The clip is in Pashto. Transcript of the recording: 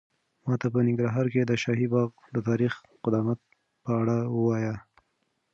ماته په ننګرهار کې د شاهي باغ د تاریخي قدامت په اړه ووایه.